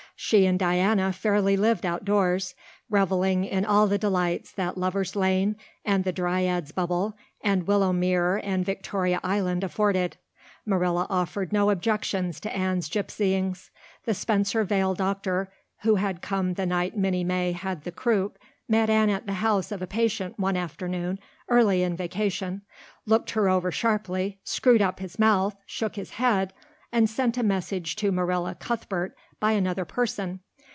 She and Diana fairly lived outdoors, reveling in all the delights that Lover's Lane and the Dryad's Bubble and Willowmere and Victoria Island afforded. Marilla offered no objections to Anne's gypsyings. The Spencervale doctor who had come the night Minnie May had the croup met Anne at the house of a patient one afternoon early in vacation, looked her over sharply, screwed up his mouth, shook his head, and sent a message to Marilla Cuthbert by another person.